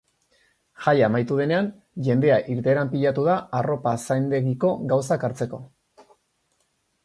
Jaia amaitu denean, jendea irteeran pilatu da arropazaindegiko gauzak hartzeko.